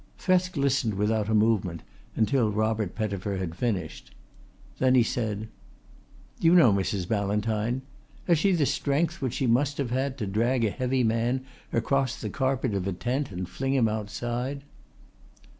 Thresk listened without a movement until Robert Pettifer had finished. Then he said: "You know Mrs. Ballantyne. Has she the strength which she must have had to drag a heavy man across the carpet of a tent and fling him outside?"